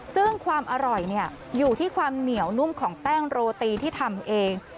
ซึ่งความอร่อยอยู่ที่ความเหนียวนุ่มของแป้งโรตีที่ทำเอง